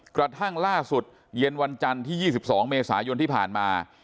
กระทั่งล่าสุดเย็นวันจันทร์ที่๒๒เมษายนที่ผ่านมา